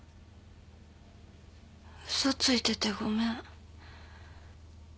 嘘ついててごめん。